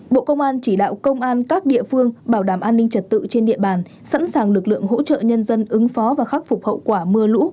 bộ công an chỉ đạo công an các địa phương bảo đảm an ninh trật tự trên địa bàn sẵn sàng lực lượng hỗ trợ nhân dân ứng phó và khắc phục hậu quả mưa lũ